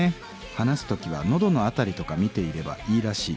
話す時は喉の辺りとか見ていればいいらしい。